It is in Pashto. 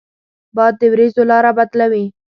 باد د ورېځو لاره بدلوي